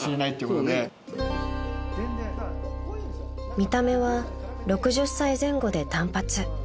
［見た目は６０歳前後で短髪］